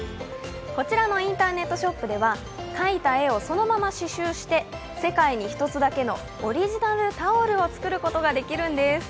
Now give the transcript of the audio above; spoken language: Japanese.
こちらのインターネットショップでは描いた絵をそのまま刺しゅうして世界に一つだけのオリジナルタオルを作ることができるんです。